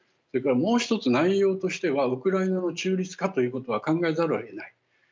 それからもう１つ、内容としてはウクライナの中立化ということは考えざるをえない。